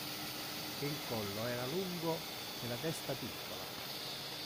Il collo era lungo e la testa piccola.